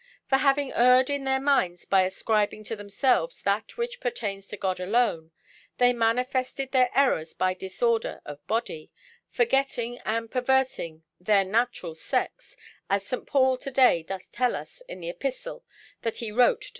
For having erred in their minds by ascribing to themselves that which pertains to God alone, they manifested their errors by disorder of body, forgetting and perverting their natural sex, as St. Paul to day doth tell us in the Epistle that he wrote to the Romans."